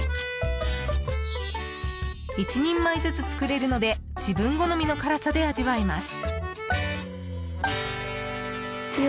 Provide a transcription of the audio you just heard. １人前ずつ作れるので自分好みの辛さで味わえます。